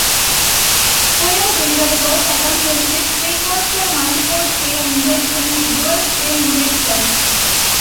Fuel delivery was accomplished with sequential multi-port fuel injection with dual spray injectors.